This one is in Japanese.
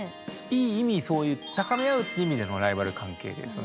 いい意味そういう高め合うっていう意味でのライバル関係です。